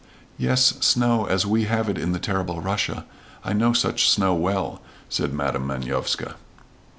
"Yes, snow as we have it in the terrible Russia. I know such snow well," said Madam Manovska.